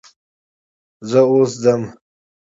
زه اوس ځم.